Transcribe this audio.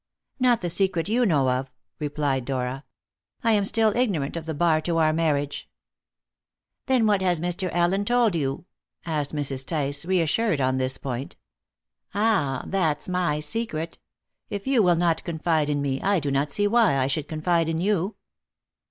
"Not the secret you know of," replied Dora. "I am still ignorant of the bar to our marriage." "Then what has Mr. Allen told you?" asked Mrs. Tice, reassured on this point. "Ah, that's my secret. If you will not confide in me, I do not see why I should confide in you."